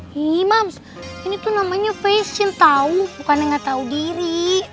hii mams ini tuh namanya fashion tau bukan yang gak tahu diri